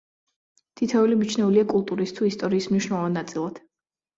თითოეული მიჩნეულია კულტურის თუ ისტორიის მნიშვნელოვან ნაწილად.